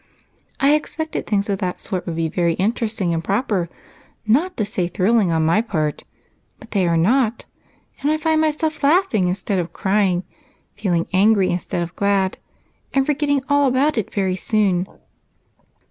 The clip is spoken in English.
I expected things of that sort would be very interesting and proper, not to say thrilling, on my part but they are not, and I find myself laughing instead of crying, feeling angry instead of glad, and forgetting all about it very soon.